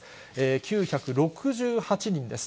９６８人です。